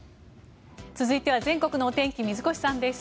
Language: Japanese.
続いては全国の天気水越さんです。